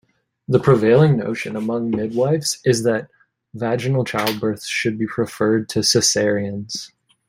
The prevailing notion among midwifes is that vaginal childbirths should be preferred to cesareans.